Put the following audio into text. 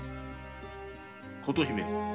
琴姫。